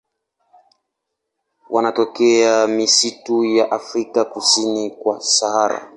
Wanatokea misitu ya Afrika kusini kwa Sahara.